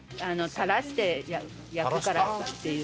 たらして焼くからっていう。